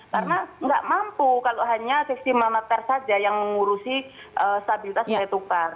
karena nggak mampu kalau hanya sisi manater saja yang mengurusi stabilitas nilai tukar